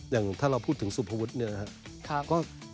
อย่างถ้าเราพูดถึงสุภวุฒิเนี่ยนะครับ